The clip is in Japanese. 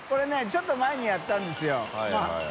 ちょっと前にやったんですよ。